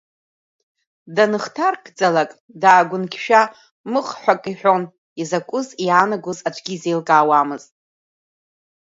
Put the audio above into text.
Дынхҭаркӡалак, даагәынқьшәа мыҟ ҳәа акы иҳәон, изакәыз, иаанагоз аӡәгьы изеилкаауамызт.